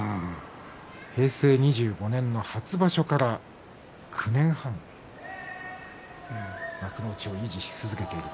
平成２５年の初場所から９年半、幕内を維持し続けている。